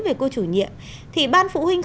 về cô chủ nhiệm thì ban phụ huynh